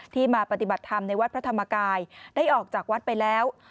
มาปฏิบัติธรรมในวัดพระธรรมกายได้ออกจากวัดไปแล้ว